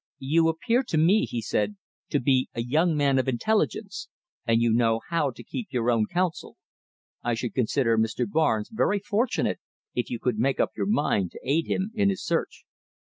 "You appear to me," he said, "to be a young man of intelligence and you know how to keep your own counsel. I should consider Mr. Barnes very fortunate if you could make up your mind to aid him in his search."